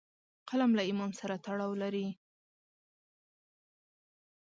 قلم له ایمان سره تړاو لري